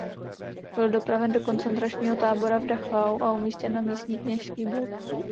Byl dopraven do koncentračního tábora v Dachau a umístěn na místní kněžský blok.